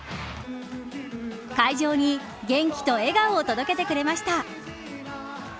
会場に元気と笑顔を届けてくれました。